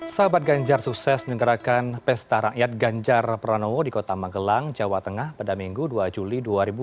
sahabat ganjar sukses menggerakkan pesta rakyat ganjar pranowo di kota magelang jawa tengah pada minggu dua juli dua ribu dua puluh